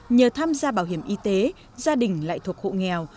nhờ tham gia bảo hiểm y tế gia đình lại thuộc hộ nghèo